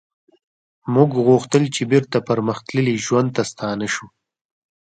موږ غوښتل چې بیرته پرمختللي ژوند ته ستانه شو